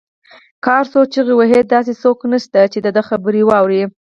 که هر څو چیغې وهي داسې څوک نشته، چې د ده خبره واوري